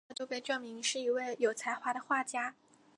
她很早就被证明是一位有才华的画家。